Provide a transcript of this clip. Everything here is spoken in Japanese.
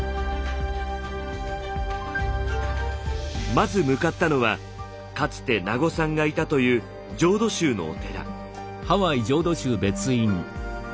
まず向かったのはかつて名護さんがいたという浄土宗のお寺。